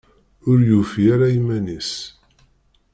Ur yufi ara iman-is.